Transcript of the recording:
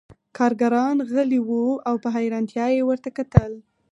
کارګران غلي وو او په حیرانتیا یې ورته کتل